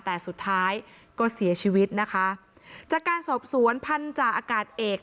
แต่สุดท้ายก็เสียชีวิตนะคะจากการสอบสวนพันธาอากาศเอก